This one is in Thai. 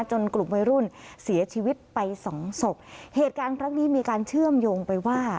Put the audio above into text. กลุ่มวัยรุ่นเสียชีวิตไปสองศพเหตุการณ์ครั้งนี้มีการเชื่อมโยงไปว่า